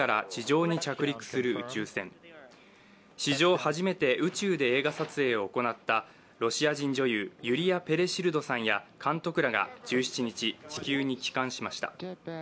初めて宇宙で映画撮影を行ったロシア人女優、ユリア・ペレシルドさんや監督らが１７日、地球に帰還しました。